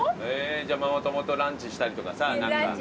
じゃママ友とランチしたりとかさ。